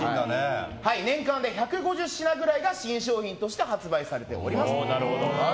年間で１５０品くらいが新商品として発売されております。